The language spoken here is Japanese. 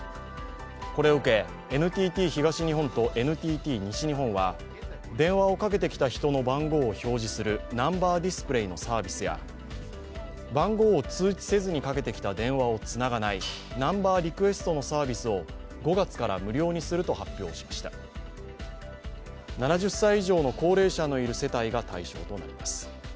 これを受け、ＮＴＴ東日本とＮＴＴ西日本は電話をかけてきた人の番号を表示するナンバーディスプレーのサービスや番号を通知せずにかけてきた電話をつながない、ナンバーリクエストのサービスを５月から無料にすると発表しました７０歳以上の高齢者のいる世帯が対象となります。